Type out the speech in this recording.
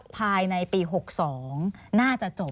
ภายในปี๖๒น่าจะจบ